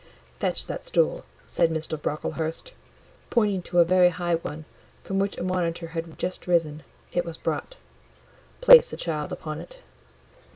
"Fetch that stool," said Mr. Brocklehurst, pointing to a very high one from which a monitor had just risen: it was brought. "Place the child upon it."